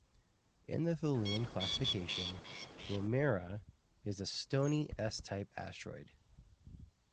In the Tholen classification, "Roemera" is a stony S-type asteroid.